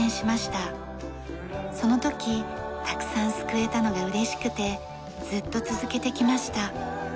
その時たくさんすくえたのが嬉しくてずっと続けてきました。